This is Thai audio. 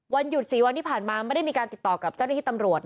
วันหยุด๔วันที่ผ่านมาไม่ได้มีการติดต่อกับเจ้าหน้าที่ตำรวจ